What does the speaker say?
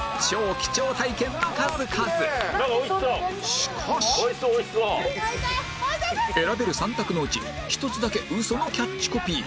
しかし選べる３択のうち１つだけウソのキャッチコピー